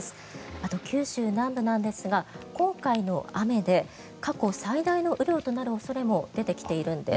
あと九州南部ですが今回の雨で過去最大の雨量となる恐れも出てきているんです。